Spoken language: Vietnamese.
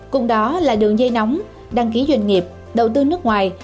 cùng đó là đường dây nóng đăng ký doanh nghiệp đầu tư nước ngoài